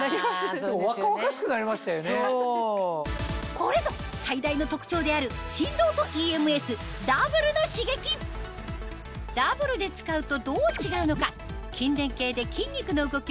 これぞ最大の特長である振動とＥＭＳダブルの刺激ダブルで使うとどう違うのか？